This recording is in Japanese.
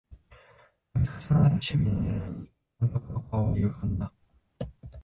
たび重なる守備のエラーに監督の顔はゆがんだ